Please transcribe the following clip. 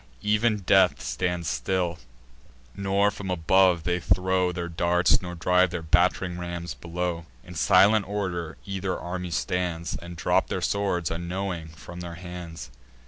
Ev'n death stands still; nor from above they throw Their darts, nor drive their batt'ring rams below. In silent order either army stands, And drop their swords, unknowing, from their hands.